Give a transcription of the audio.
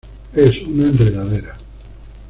Es una enredadera.